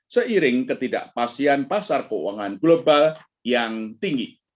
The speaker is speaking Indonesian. seiring ketidakpastian pasar keuangan global yang tinggi